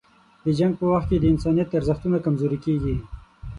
د جنګ په وخت کې د انسانیت ارزښتونه کمزوري کېږي.